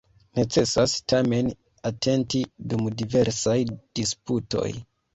Necesas, tamen, atenti dum diversaj disputoj.